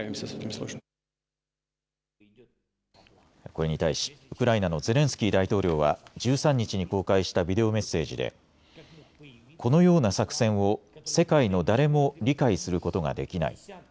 これに対しウクライナのゼレンスキー大統領は１３日に公開したビデオメッセージでこのような作戦を世界の誰も理解することができない。